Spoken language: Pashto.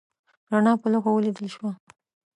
رڼا په لوښو ولیدل شوه.